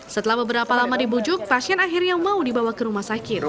setelah beberapa lama dibujuk pasien akhirnya mau dibawa ke rumah sakit